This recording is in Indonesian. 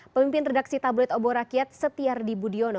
pemimpin redaksi tabloid obor rakyat setiardi budiono